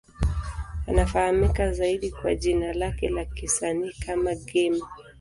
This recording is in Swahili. Anafahamika zaidi kwa jina lake la kisanii kama Game.